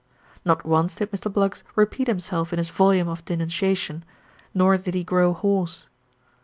Not once did Mr. Bluggs repeat himself in his volume of denunciation, nor did he grow hoarse.